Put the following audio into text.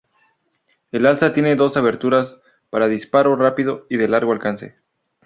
El alza tiene dos aberturas, para disparo rápido y de largo alcance.